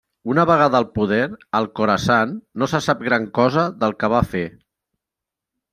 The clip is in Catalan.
Una vegada al poder al Khorasan, no se sap gran cosa del que va fer.